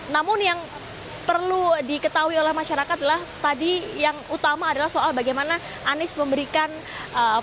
namun yang perlu diketahui oleh masyarakat adalah tadi yang utama adalah soal bagaimana anies memberikan dukungan